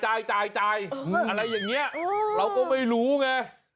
จ่ายอะไรอย่างนี้เราก็ไม่รู้ไง